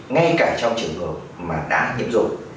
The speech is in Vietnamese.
ngay cả trong trường hợp mà đã nhiễm rồi